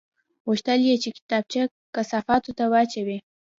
غوښتل یې چې کتابچه کثافاتو ته واچوي